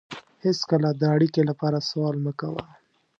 هېڅکله د اړیکې لپاره سوال مه کوه.